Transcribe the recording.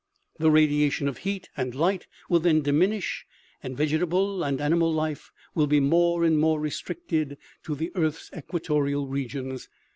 The radiation of heat and light will then diminish, and vegetable and animal life will be more and more restricted to the earth's equatorial regions.